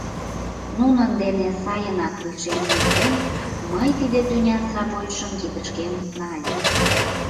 Нунын дене сайынак лишеммекем, мый тиде тӱнян сравочшым кидышкем нальым.